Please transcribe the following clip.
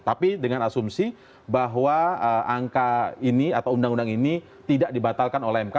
tapi dengan asumsi bahwa angka ini atau undang undang ini tidak dibatalkan oleh mk